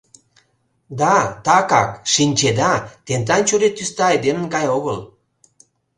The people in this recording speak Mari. — Да, такак, шинчеда, тендан чурий тӱсда айдемын гай огыл.